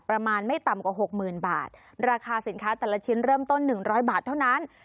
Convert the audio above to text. ประมาณไม่ต่ำกว่าหกหมื่นบาทราคาสินค้าแต่ละชิ้นเริ่มต้นหนึ่งร้อยบาทเท่านั้น